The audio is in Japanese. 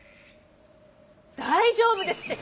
大丈夫ですって！